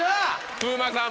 風磨さん